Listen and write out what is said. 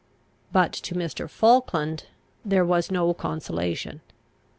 But to Mr. Falkland there was no consolation.